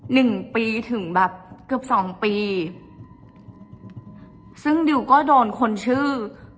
หนึ่งปีถึงแบบเกือบสองปีซึ่งดิวก็โดนคนชื่อ